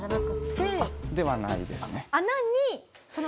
ではないですね。